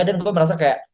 dan gue merasa kayak